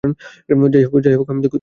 যাই হোক, আমি দুঃখিত।